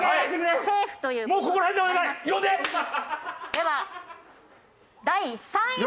では第３位は。